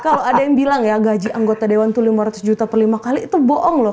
kalau ada yang bilang ya gaji anggota dewan itu lima ratus juta per lima kali itu bohong loh